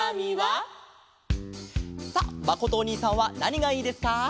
さあまことおにいさんはなにがいいですか？